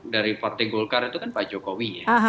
dari partai golkar itu kan pak jokowi ya